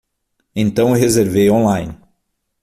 Então eu reservei online.